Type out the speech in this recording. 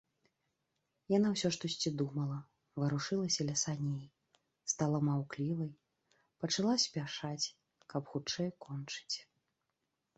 Яна ўсё штосьці думала, варушылася ля саней, стала маўклівай, пачала спяшаць, каб хутчэй кончыць.